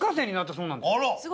そう。